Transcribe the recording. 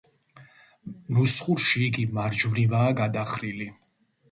ნუსხურში იგი მარჯვნივაა გადახრილი.